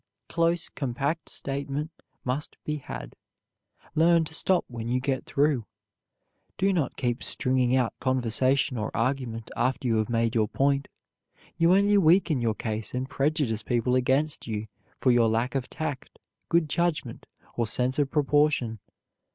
Close, compact statement must be had. Learn to stop when you get through. Do not keep stringing out conversation or argument after you have made your point. You only weaken your case and prejudice people against you for your lack of tact, good judgment, or sense of proportion.